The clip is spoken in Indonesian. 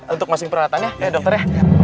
untuk masing masing peralatan ya ya dokter ya